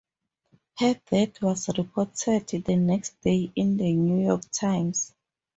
Her death was reported the next day in the "New York Times".